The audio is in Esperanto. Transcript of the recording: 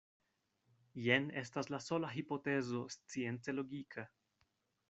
Jen estas la sola hipotezo science logika.